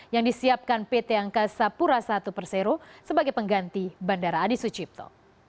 yang disiapkan pt angkasa pura i persero sebagai pengganti bandara adi sucipto